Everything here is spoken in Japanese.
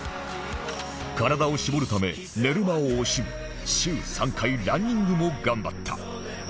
体を絞るため寝る間を惜しみ週３回ランニングも頑張った